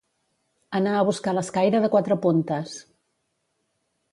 Anar a buscar l'escaire de quatre puntes.